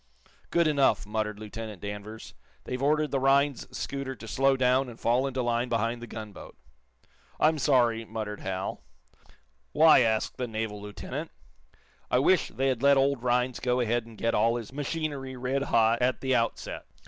"Good enough," muttered Lieutenant Danvers. "They've ordered the Rhinds scooter to slow clown and fall into line behind the gunboat." "I'm sorry," muttered Hal. "Why?" asked the naval lieutenant. "I wish they had let old Rhinds go ahead and get all his machinery red hot at the outset."